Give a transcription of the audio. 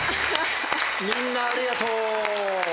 みんなありがとう。